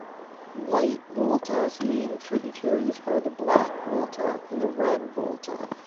White Volta's main tributaries are the Black Volta and the Red Volta.